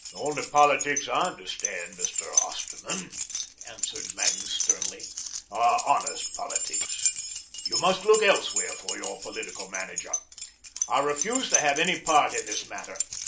"The only politics I understand, Mr. Osterman," answered Magnus sternly, "are honest politics. You must look elsewhere for your political manager. I refuse to have any part in this matter.